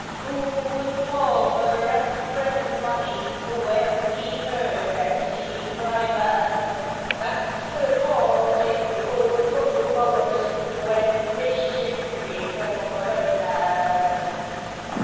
Who would palter at press money When he heard that sea cry vast? That's the call makes lords of lubbers, When they ship before the mast.